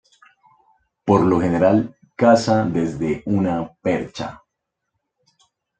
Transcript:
Por lo general caza desde una percha.